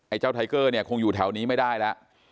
เจ้าไทเกอร์เนี่ยคงอยู่แถวนี้ไม่ได้แล้ว